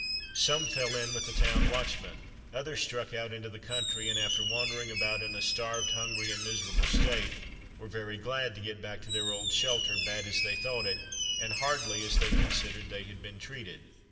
Some fell in with the town watchmen; others struck out into the country, and after wandering about in a starved, hungry, and miserable state, were very glad to get back to their old shelter, bad as they thought it, and hardly as they considered they had been treated.